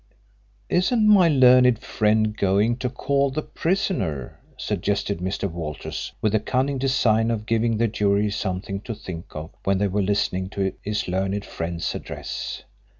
"Isn't my learned friend going to call the prisoner?" suggested Mr. Walters, with the cunning design of giving the jury something to think of when they were listening to his learned friend's address.